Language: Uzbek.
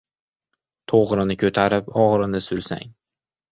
— To‘g‘rini ko‘tarib, o‘g‘rini sursang